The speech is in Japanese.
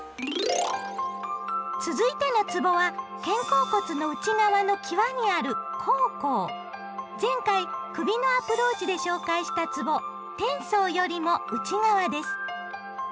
続いてのつぼは肩甲骨の内側の際にある前回首のアプローチで紹介したつぼ「天宗」よりも内側です。